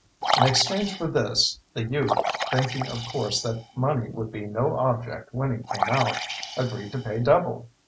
In exchange for this, the youth, thinking of course that money would be no object when he came out, agreed to pay double.